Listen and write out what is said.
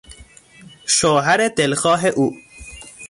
شوهر دلخواه او